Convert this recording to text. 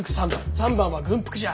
３番は軍服じゃ。